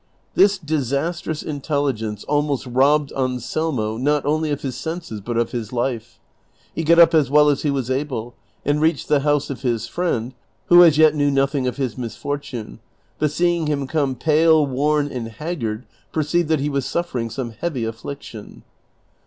This disastrous intelligence almost robbed Anselmo not only of his senses, but of his life. He got up as well as he was able, and reached the house of his friend, who as yet knew nothing of his mis fortune, but seeing him come pale, Avorn, and haggard, perceived that he was suffering some heavy affliction.